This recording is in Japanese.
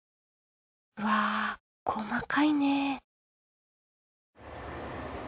うわぁ細かいね。